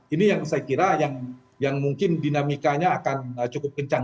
ini yang saya kira yang mungkin dinamikanya akan cukup kencang